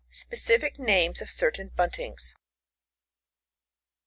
Specific names of certain Buntings.